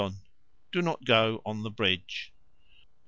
Do not go on the bridge.